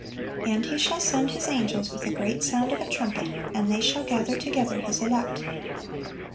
(525) "And He shall send His angels with a great sound of a trumpet, and they shall gather together His elect."